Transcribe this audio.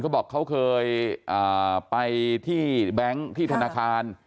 เขาบอกเขาเคยไปที่แบงค์ที่ธนาคาร